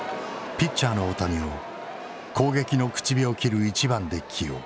ピッチャーの大谷を攻撃の口火を切る１番で起用。